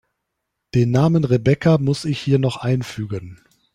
Den Namen Rebecca muss ich hier noch einfügen.